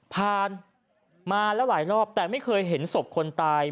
ผ่านมาแล้วหลายรอบแต่ไม่เคยเห็นศพคนตาย